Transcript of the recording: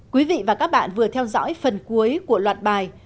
quý vị và các bạn vừa theo dõi phần cuối của loạt bài